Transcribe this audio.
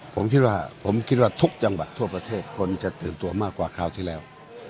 ผมคิดว่าผมคิดว่าทุกจังหวัดทั่วประเทศคนจะตื่นตัวมากกว่าคราวที่แล้ว